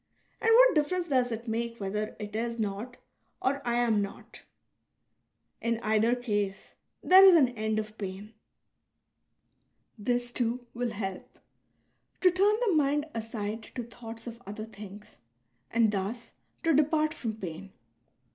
And what difference does it make whether it is not or I am not ? In either case there is an end of pain. This, too, will help — to turn the mind aside to thoughts of other things and thus to depart from pain.